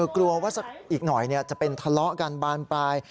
กลัวว่าสักอีกหน่อยจะเป็นทะเลาะกันบานปลาย